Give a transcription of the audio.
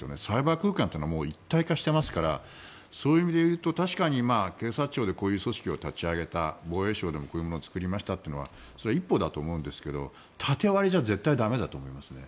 サイバー空間というのは一体化していますからそういう意味でいうと確かに警察庁でこういう組織を立ち上げた防衛省でもこういうものを作りましたというのはそれは一歩だと思うんですが縦割りだと駄目だと思います。